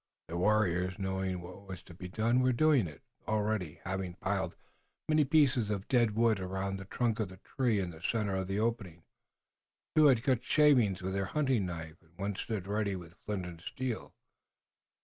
The warriors, knowing what was to be done, were doing it already, having piled many pieces of dead wood around the trunk of the lone tree in the center of the opening. Two had cut shavings with their hunting knives, and one stood ready with flint and steel.